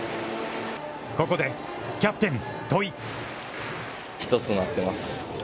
ここでキャプテン戸井。